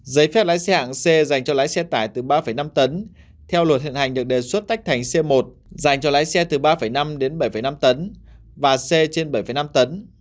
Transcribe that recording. giấy phép lái xe hạng c dành cho lái xe tải từ ba năm tấn theo luật hiện hành được đề xuất tách thành c một dành cho lái xe từ ba năm đến bảy năm tấn và xe trên bảy năm tấn